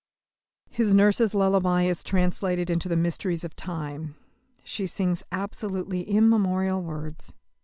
His nurse's lullaby is translated into the mysteries of time. She sings absolutely immemorial words.